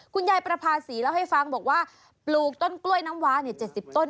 คุณยายประภาษีเล่าให้ฟังบอกว่าปลูกต้นกล้วยน้ำว้า๗๐ต้น